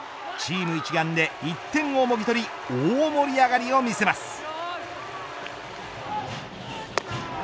チーム一丸で１点をもぎ取り大盛り上がりを見せます。